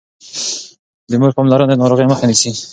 د مور پاملرنه د ناروغۍ مخه نيسي.